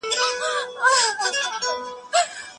ذهني فشار تل خطر نه دی.